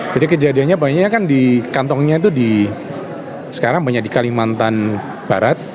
kejadiannya banyak kan di kantongnya itu sekarang banyak di kalimantan barat